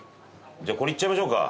じゃあこれいっちゃいましょうか。